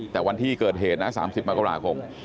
แต่วันที่เกิดเหตุนะ๓๐มกราคม